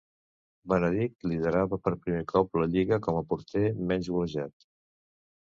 Benedict liderava per primer cop la lliga com a porter menys golejat.